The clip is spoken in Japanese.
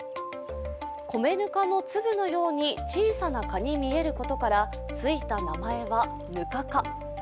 米ぬかの粒のように小さな蚊に見えることからついた名前はヌカカ。